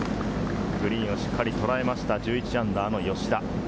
グリーンをしっかり捉えました、−１１の吉田。